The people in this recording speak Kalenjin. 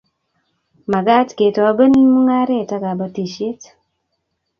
Magat ketoben mung'aret ak kabatishet